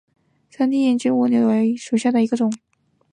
山地烟管蜗牛为烟管蜗牛科台湾纺锤烟管蜗牛属下的一个种。